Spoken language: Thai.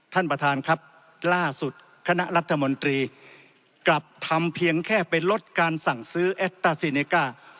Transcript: ท่านประธานครับล่าสุดคณะรัฐมนตรีกลับทำเพียงแค่ไปลดการสั่งซื้อแอคต้าซีเนก้า